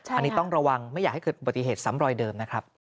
อันนี้ต้องระวังไม่อยากให้เกิดอุบัติเหตุซ้ำรอยเดิมนะครับ